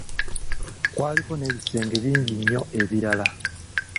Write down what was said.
Kwaliko n'ebisenge bingi nnyo ebiralala.